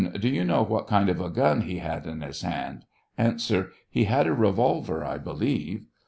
Do you know what kind of a gun he had in his hand? A. He had a revolver, I believe.